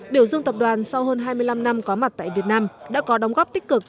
biểu dương tập đoàn sau hơn hai mươi năm năm có mặt tại việt nam đã có đóng góp tích cực